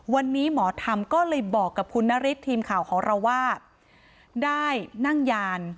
วันนี้หมอธรรมก็เลยบอกกับคุณนฤทธิ์ทีมข่าวของเราว่าได้นั่งยาน